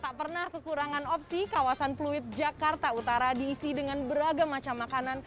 tak pernah kekurangan opsi kawasan fluid jakarta utara diisi dengan beragam macam makanan